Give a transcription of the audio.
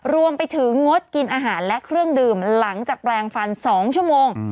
รวมไปถึงงดกินอาหารและเครื่องดื่มหลังจากแปลงฟัน๒ชั่วโมง